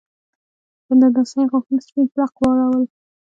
په دنداسه یې غاښونه سپین پړق واړول